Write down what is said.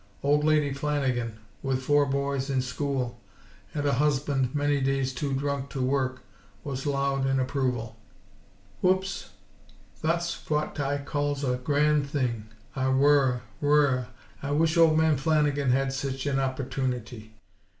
Old Lady Flanagan, with four boys in school, and a husband many days too drunk to work, was loud in approval. "Whoops! Thot's phwat I calls a grand thing! Worra, worra! I wish Old Man Flanagan had had sich an opporchunity.